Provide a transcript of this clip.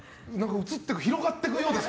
広がっていくようです